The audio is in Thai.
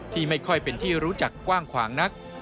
ที่ไม่ค่อยเป็นที่รู้จักกว้างขวางนัก